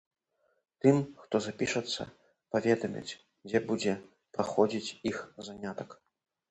Тым, хто запішацца, паведамяць, дзе будзе праходзіць іх занятак.